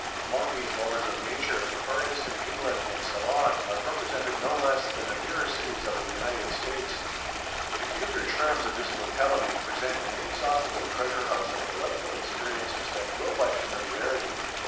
Among these lovers of nature, far distant England and Ceylon are represented no less than the nearer cities of the United States. The peculiar charms of this locality present an inexhaustible treasurehouse of delightful experiences that grow by familiarity.